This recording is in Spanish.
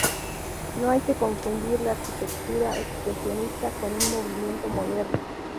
No hay que confundir la arquitectura expresionista con un movimiento moderno.